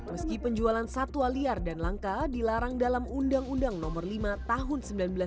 meski penjualan satwa liar dan langka dilarang dalam undang undang no lima tahun seribu sembilan ratus sembilan puluh